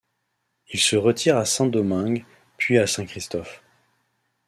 Il se retire à Saint-Domingue puis à Saint-Christophe.